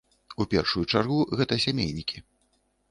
У першую чаргу гэта сямейнікі.